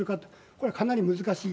これはかなり難しい。